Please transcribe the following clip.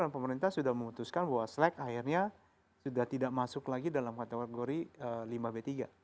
dan pemerintah sudah memutuskan bahwa slack akhirnya sudah tidak masuk lagi dalam kategori limbah b tiga